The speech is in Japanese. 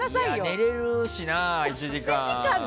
寝れるしな、１時間。